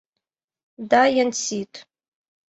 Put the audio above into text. Да, Янсит!